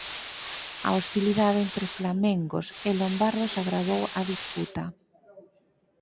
A hostilidade entre flamengos e lombardos agravou a disputa.